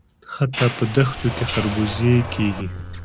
حتی په دښتو کې خربوزې کیږي.